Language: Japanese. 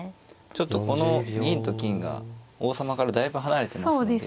ちょっとこの銀と金が王様からだいぶ離れてますので。